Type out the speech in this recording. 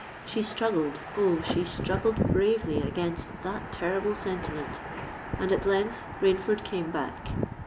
She struggled—Oh! she struggled bravely against that terrible sentiment; and at length Rainford came back.